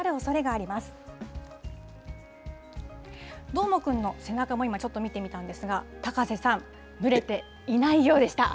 どーもくんの背中も今、見てみたんですけど、高瀬さん、蒸れていないようでした。